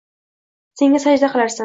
Sen sajda qilarsan